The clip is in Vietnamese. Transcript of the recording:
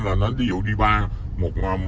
ví dụ đi bar